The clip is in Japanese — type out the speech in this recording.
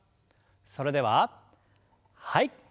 それでははい。